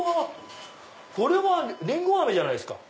これはリンゴ飴じゃないですか。